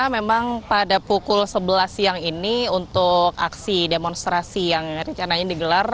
memang pada pukul sebelas siang ini untuk aksi demonstrasi yang rencananya digelar